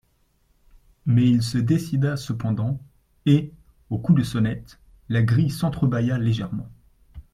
Mais il se décida cependant, et, au coup de sonnette, la grille s'entre-bâilla légèrement.